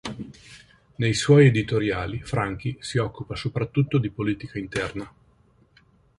Nei suoi editoriali, Franchi si occupa soprattutto di politica interna.